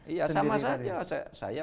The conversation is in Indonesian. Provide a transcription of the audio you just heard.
iya sama saja saya